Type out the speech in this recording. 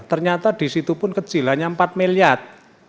ternyata di situ pun kecil hanya empat miliar